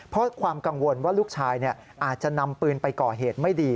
เพราะความกังวลว่าลูกชายอาจจะนำปืนไปก่อเหตุไม่ดี